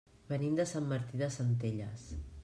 Venim de Sant Martí de Centelles.